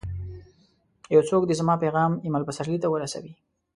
یو څوک دي زما پیغام اېمل پسرلي ته ورسوي!